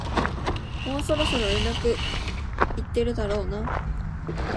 もうそろそろ連絡行ってるだろうな